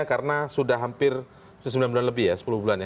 karena sudah hampir sudah sembilan bulan lebih ya sepuluh bulan ya